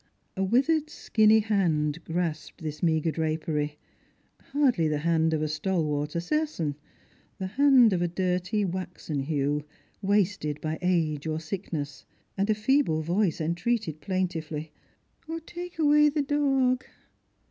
A withered skinny hand grasped this meagre drapery,— hardly the hand of a stalwart assassin; a hand of a dirty waxen hue, wasted by age or sickness, — and a feeble voice entreated plaintively, " Tak' awa' the dog."